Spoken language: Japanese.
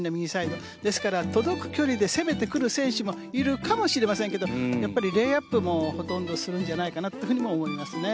ですから届く距離で攻めてくる選手もいるかもしれませんがやっぱりレイアップもほとんどするんじゃないかなと思いますね。